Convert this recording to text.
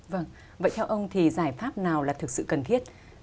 vâng vậy theo ông thì giải pháp nào là thực sự cần thiết